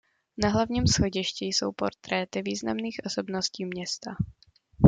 Na hlavním schodišti jsou portréty významných osobností města.